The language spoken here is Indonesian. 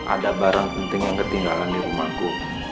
ada barang penting yang ketinggalan di rumahku